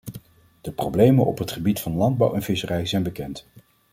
De problemen op het gebied van landbouw en visserij zijn bekend.